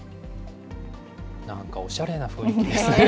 なんかおしゃれな雰囲気ですね。